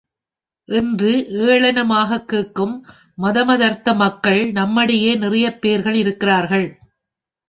என்று ஏளனமாகக் கேட்கும் மதமதர்த்த மக்கள் நம்மிடையே நிறைய பேர்கள் இருக்கிறார்கள்.